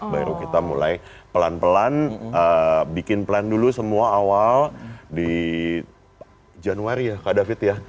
baru kita mulai pelan pelan bikin plan dulu semua awal di januari ya kak david ya